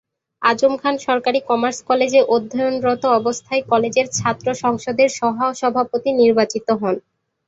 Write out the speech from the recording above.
আযম খান সরকারি কমার্স কলেজে অধ্যয়নরত অবস্থায় কলেজের ছাত্র সংসদের সহ-সভাপতি নির্বাচিত হন।